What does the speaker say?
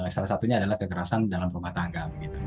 salah satunya adalah kekerasan dalam rumah tangga